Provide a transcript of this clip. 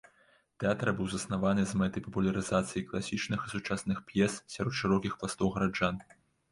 Тэатр быў заснаваны з мэтай папулярызацыі класічных і сучасных п'ес сярод шырокіх пластоў гараджан.